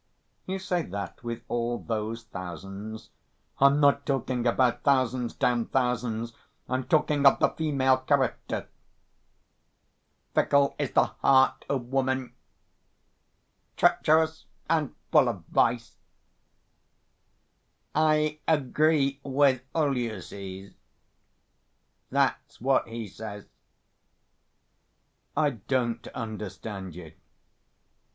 You say that with all those thousands!" "I'm not talking about thousands. Damn thousands! I'm talking of the female character. Fickle is the heart of woman Treacherous and full of vice; I agree with Ulysses. That's what he says." "I don't understand you!"